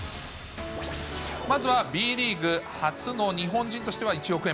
まずはＢリーグ初の日本人としては１億円